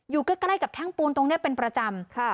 อยู่ใกล้กับแท่งปูนตรงนี้เป็นประจำ